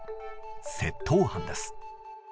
窃盗犯です。